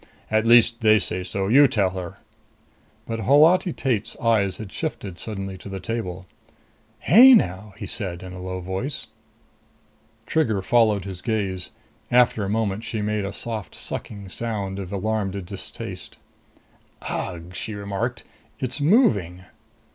At least they say so. You tell her." But Holati Tate's eyes had shifted suddenly to the table. "Hey, now!" he said in a low voice. Trigger followed his gaze. After a moment she made a soft, sucking sound of alarmed distaste. "Ugh!" she remarked. "It's moving!"